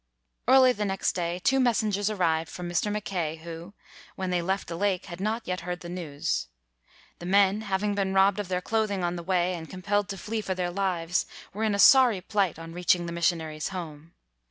Early the next day, two messengers ar rived from Mr. Mackay who, when they left the lake, had not yet heard the news. The men, having been robbed of their clothing on the way and compelled to flee for their lives, were in a sorry plight on reaching the missionaries' home.